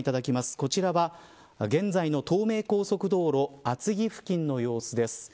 こちらは現在の東名高速道路厚木付近の様子です。